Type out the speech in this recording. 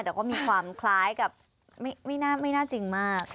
แต่ก็มีความคล้ายกับไม่น่าจริงมาก